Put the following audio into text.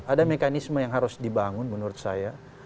ada mekanisme yang harus dibangun menurut saya